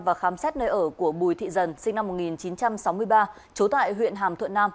và khám xét nơi ở của bùi thị dần sinh năm một nghìn chín trăm sáu mươi ba trú tại huyện hàm thuận nam